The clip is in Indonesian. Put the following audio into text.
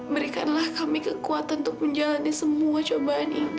berikanlah kami kekuatan untuk menjalani semua cobaan ini